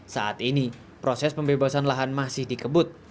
saat ini proses pembebasan lahan masih dikebut